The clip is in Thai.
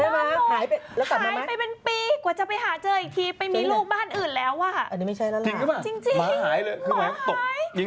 ใช่มะหายไปเป็นผีกว่าจะไปหาเจออีกที